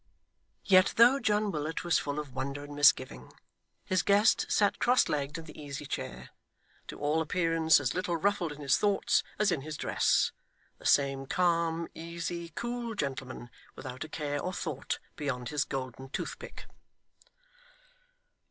Yet, though John Willet was full of wonder and misgiving, his guest sat cross legged in the easy chair, to all appearance as little ruffled in his thoughts as in his dress the same calm, easy, cool gentleman, without a care or thought beyond his golden toothpick.